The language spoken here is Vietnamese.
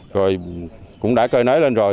rồi cũng đã cơi nới lên rồi